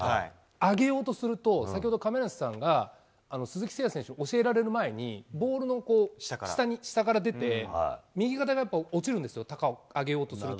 上げようとすると、先ほど亀梨さんが、鈴木誠也選手に教えられる前に、ボールの下から出て、右肩がやっぱ落ちるんですよ、高く上げようとすると。